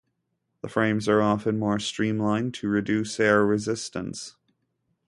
The frames are often more streamlined to reduce air resistance.